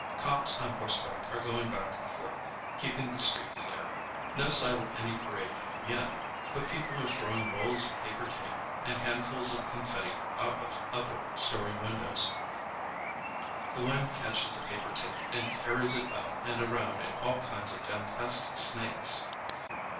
Cops on horseback are going back and forth, keeping the street clear. No sign of any parade coming yet, but people are throwing rolls of paper tape and handfuls of confetti out of upper story windows. The wind catches the paper tape and carries it up and around in all kinds of fantastic snakes.